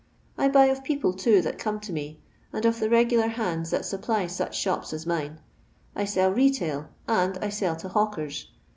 I buy of people, too, that come to me, and of the re^ar hands that supply such shops as mine. I sell retail, and I Si'll to hawkers.